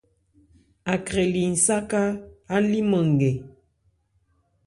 Akrɛ li nsáká, á líman nkɛ.